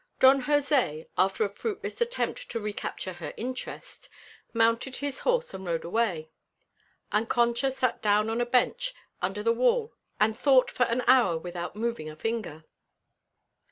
Don Jose, after a fruitless attempt to recapture her interest, mounted his horse and rode away; and Concha sat down on a bench under the wall and thought for an hour without moving a finger.